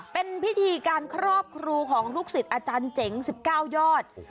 เป็นพิธีการครอบครูของลูกศิษย์อาจารย์เจ๋ง๑๙ยอด